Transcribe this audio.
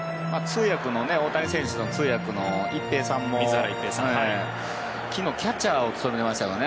大谷選手の通訳の一平さんも昨日、キャッチャーを務めてましたからね